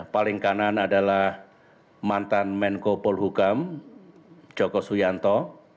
paling kanan adalah mantan menko polhukam joko suyanto